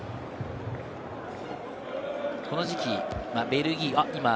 この時期、ベルギー。